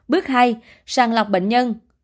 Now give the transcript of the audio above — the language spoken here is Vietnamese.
bước hai sàng lọc bệnh nhân